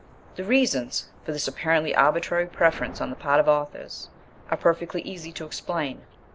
The reasons for this apparently arbitrary preference on the part of authors are perfectly easy to explain.